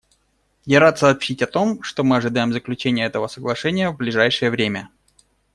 Я рад сообщить о том, что мы ожидаем заключения этого соглашения в ближайшее время.